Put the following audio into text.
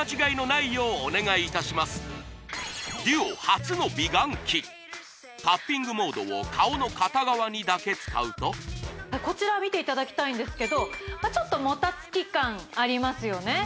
ＤＵＯ初の美顔器タッピングモードを顔の片側にだけ使うとこちら見ていただきたいんですけどちょっともたつき感ありますよね